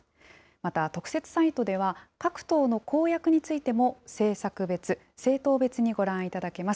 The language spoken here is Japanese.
また特設サイトでは、各党の公約についても政策別、政党別にご覧いただけます。